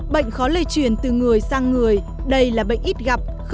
bệnh khó lây truyền từ người sang người đây là bệnh ít gặp